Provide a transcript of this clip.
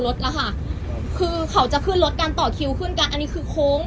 รถแล้วค่ะคือเขาจะขึ้นรถกันต่อคิวขึ้นกันอันนี้คือโค้ง